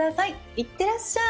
行ってらっしゃい！